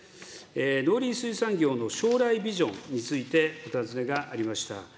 農林水産業の将来ビジョンについてお尋ねがありました。